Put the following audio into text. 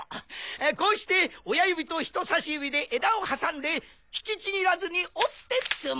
こうして親指と人さし指で枝を挟んで引きちぎらずに折って摘む。